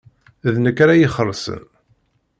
D nekk ara ixelṣen.